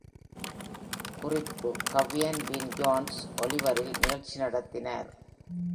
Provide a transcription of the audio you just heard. குறிப்பு க்வியன் வின் ஜோன்ஸ் ஆலிவரில் நிகழ்ச்சி நடத்தினார்!